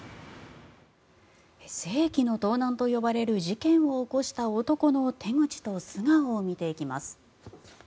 世紀の盗難といわれる事件を起こした男の手口と素顔を見ていきます。